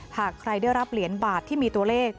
หากใครได้รับเหรียญบาทที่มีตัวเลข